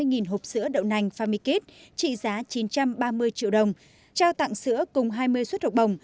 hai trăm tám mươi hộp sữa đậu nành famikit trị giá chín trăm ba mươi triệu đồng trao tặng sữa cùng hai mươi suất hộp bồng